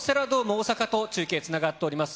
大阪と中継、つながっております。